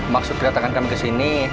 maksud kedatangan kami kesini